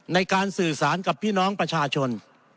ในการสื่อสารกับพี่น้องประชาชน